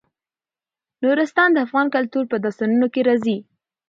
نورستان د افغان کلتور په داستانونو کې راځي.